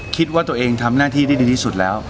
คิดว่าตัวเองทำหน้าที่ได้ดีที่สุดแล้ว